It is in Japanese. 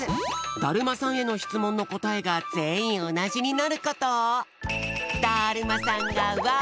だるまさんへのしつもんのこたえがぜんいんおなじになること。